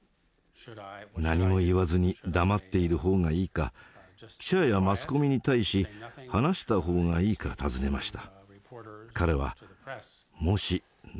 何も言わずに黙っている方がいいか記者やマスコミに対し話した方がいいか尋ねました。